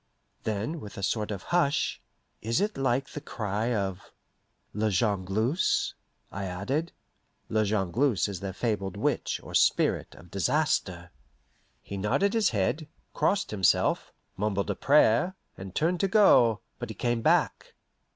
Then, with a sort of hush, "Is't like the cry of La Jongleuse?" I added. (La Jongleuse is their fabled witch, or spirit, of disaster.) He nodded his head, crossed himself, mumbled a prayer, and turned to go, but came back.